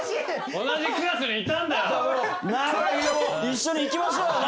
一緒に生きましょうよ！